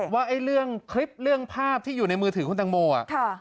ว่าไอ้เรื่องคลิปเรื่องภาพที่อยู่ในมือถือคุณตังโมอ่ะ